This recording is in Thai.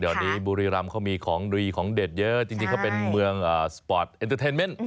เดี๋ยวนี้บุรีรำเขามีของดีของเด็ดเยอะจริงเขาเป็นเมืองสปอร์ตเอ็นเตอร์เทนเมนต์